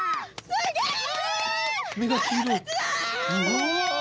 すげえ！